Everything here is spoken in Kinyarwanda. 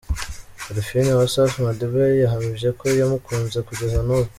Parfine wa Safi Madiba yahamije ko yamukunze kugeza n’ubu.